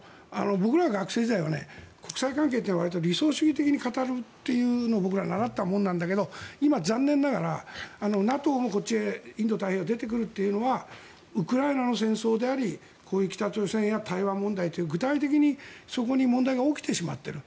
僕らが学生時代の時には国際関係というのはわりと理想主義的に語るというのを僕らは習ったものなんだけど今、残念ながらＮＡＴＯもインド太平洋へ出てくるというのはウクライナの戦争でありこういう北朝鮮や台湾問題という具体的にそこに問題が起きてしまっている。